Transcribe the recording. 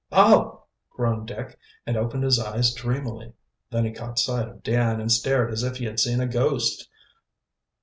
"Oh!" groaned Dick, and opened his eyes dreamily. Then he caught sight of Dan and stared as if he had seen a ghost.